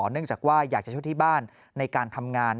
เนื่องจากว่าอยากจะช่วยที่บ้านในการทำงาน